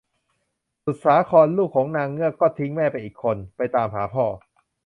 สุดสาคร ลูกของนางเงือกก็ทิ้งแม่ไปอีกคน ไปตามหาพ่อ